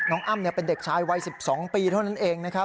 น้องอ้ำเป็นเด็กชายไว่๑๒ปีเท่านั้นเอง